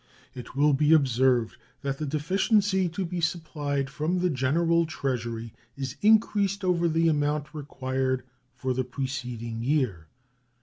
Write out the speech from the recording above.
It will be observed that the deficiency to be supplied from the General Treasury is increased over the amount required for the preceding year.